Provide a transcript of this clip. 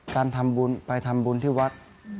การทำบุญไปทำบุญที่วัด